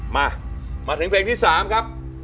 มามาถึงเพลงที่๓ครับ